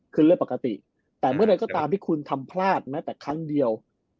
คือเรื่องปกติแต่เมื่อใดก็ตามที่คุณทำพลาดแม้แต่ครั้งเดียว